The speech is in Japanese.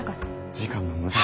時間の無駄や。